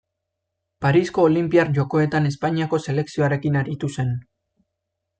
Parisko Olinpiar Jokoetan Espainiako selekzioarekin aritu zen.